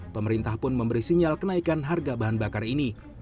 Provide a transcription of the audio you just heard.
pemerintah pun memberi sinyal kenaikan harga bahan bakar ini